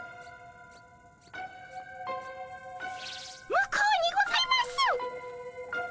向こうにございます。